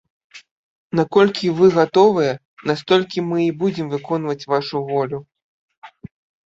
Наколькі вы гатовыя, настолькі мы і будзем выконваць вашу волю.